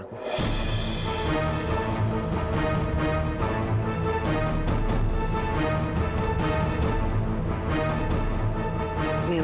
aku jauh dari kamu